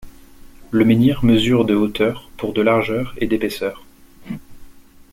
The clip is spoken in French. Le menhir mesure de hauteur pour de largeur et d'épaisseur.